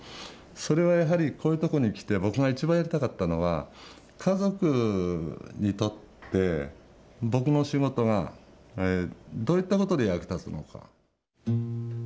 それはやはりこういうとこに来て僕が一番やりたかったのは家族にとって僕の仕事がどういったことで役立つのか。